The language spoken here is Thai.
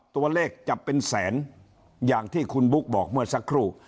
ตัวเลขจะเป็นแสนอย่างที่คุณบุ๊คบอกเมื่อสักครู่